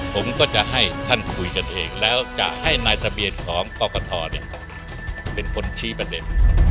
ผมก็จะให้ท่านคุยกันเองแล้วจะให้นายทะเบียนของกรกฐเป็นคนชี้ประเด็น